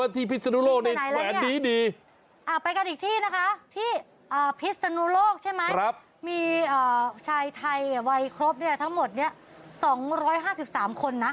นี่ต้องถอดเสื้ออย่างนี้เลยนะ